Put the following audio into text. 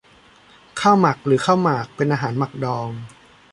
ข้าวหมัก หรือข้าวหมาก เป็นอาหารหมักดอง